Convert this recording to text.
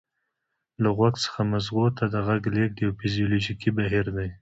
له غوږ څخه مغزو ته د غږ لیږد یو فزیولوژیکي بهیر دی